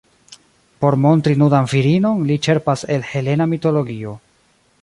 Por montri nudan virinon, li ĉerpas el Helena mitologio.